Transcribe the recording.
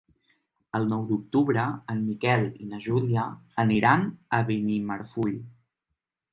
El nou d'octubre en Miquel i na Júlia aniran a Benimarfull.